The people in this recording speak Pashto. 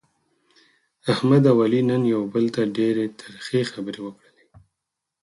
احمد او علي نن یو بل ته ډېرې ترخې خبرې وکړلې.